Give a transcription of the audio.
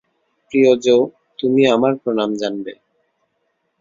প্রিয় জো, তুমি আমার প্রণাম জানবে।